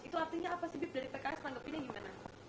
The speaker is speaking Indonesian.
itu artinya apa sih bip dari pks tanggapinnya gimana